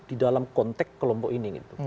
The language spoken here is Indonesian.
di dalam konteks kelompok ini gitu